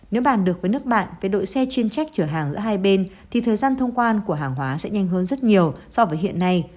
nếu bàn được với nước bạn về đội xe chuyên trách chở hàng giữa hai bên thì thời gian thông quan của hàng hóa sẽ nhanh hơn rất nhiều so với hiện nay